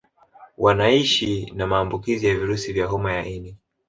Wanaishi na maambukizi ya virusi vya homa ya ini